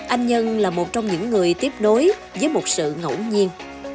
anh nhân là một trong những người tiếp nối với một sự ngẫu nhiên